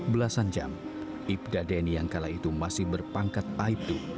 belasan jam ipda denny yang kala itu masih berpangkat aibdu